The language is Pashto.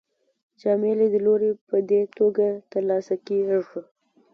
جامع لیدلوری په دې توګه ترلاسه کیږي.